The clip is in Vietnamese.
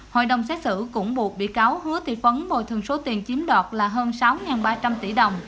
hội đồng xét xử cũng buộc bị cáo hứa thị phấn bồi thường số tiền chiếm đoạt là hơn sáu ba trăm linh tỷ đồng